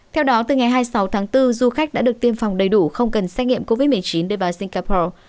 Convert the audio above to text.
theo đó từ ngày hai mươi sáu tháng bốn du khách đã được tiêm phòng đầy đủ không cần xét nghiệm covid một mươi chín để vào singapore